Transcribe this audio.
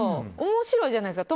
面白いじゃないですか。